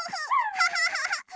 ハハハハ！